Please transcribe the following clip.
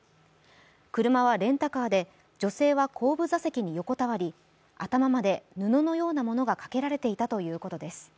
車はレンタカーで、女性は後部座席に横たわり、頭まで布のようなものがかけられていたということです。